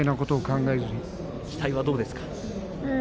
期待はどうですか。